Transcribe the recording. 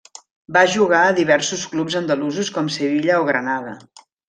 Va jugar a diversos clubs andalusos com Sevilla o Granada.